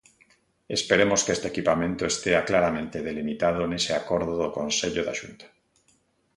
Esperemos que este equipamento estea claramente delimitado nese acordo do Consello da Xunta.